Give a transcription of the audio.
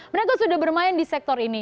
mereka sudah bermain di sektor ini